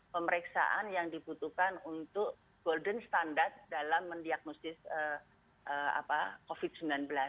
pemeriksaan yang dibutuhkan untuk golden standard dalam mendiagnosis covid sembilan belas